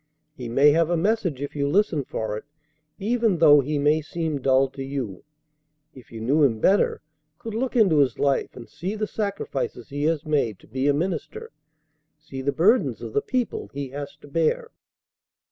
He may have a message if you listen for it, even though he may seem dull to you. If you knew him better, could look into his life and see the sacrifices he has made to be a minister, see the burdens of the people he has to bear!"